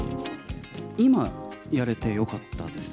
今、やれてよかったです。